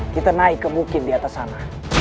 kita naik ke bukit di atas sana